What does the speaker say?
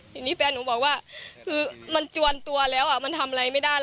ทีนี้แฟนหนูบอกว่าคือมันจวนตัวแล้วมันทำอะไรไม่ได้